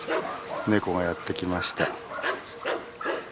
ネコがやって来ました。